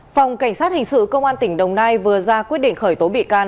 phòng cảnh sát hình sự công an tỉnh đồng nai vừa ra quyết định khởi tố bị can